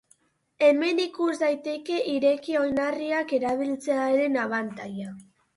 Hemen ikus daiteke ireki-oinarriak erabiltzearen abantaila.